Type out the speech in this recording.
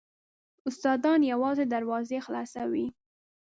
استادان یوازې دروازې خلاصوي .